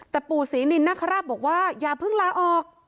แต่ปู่ศรีนินนคราชบอกว่าอย่าเพิ่งลาออก